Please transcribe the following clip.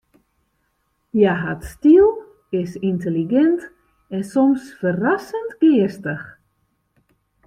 Hja hat styl, is yntelligint en soms ferrassend geastich.